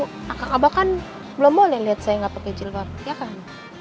kakak bahkan belum boleh lihat saya gak pakai jilbab ya kan